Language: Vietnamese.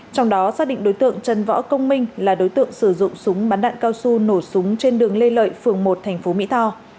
trong đó xác định đối tượng trần võ công minh là đối tượng sử dụng súng bắn đạn cao su nổ súng trên đường lê lợi phường một tp mỹ tho